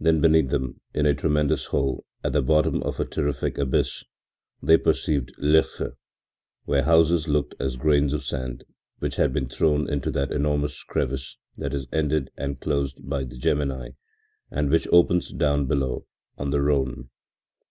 Then beneath them, in a tremendous hole, at the bottom of a terrific abyss, they perceived Loeche, where houses looked as grains of sand which had been thrown into that enormous crevice that is ended and closed by the Gemmi and which opens, down below, on the Rhone.